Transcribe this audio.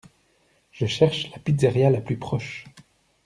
Je cherche la pizzeria la plus proche